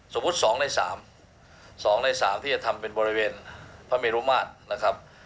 สมมุติ๒ใน๓ที่จะทำเป็นบริเวณพระเมรุมาตร